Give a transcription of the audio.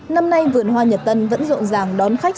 năm nay vườn hoa nhật tân vẫn rộn ràng đón khách